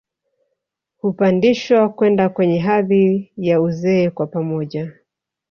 Hupandishwa kwenda kwenye hadhi ya uzee kwa pamoja